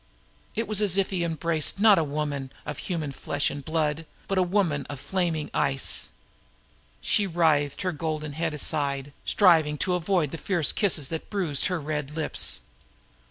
It was as if he embraced not a woman of human flesh and blood, but a woman of flaming ice. She writhed her golden head aside, striving to avoid the savage kisses that bruised her red lips.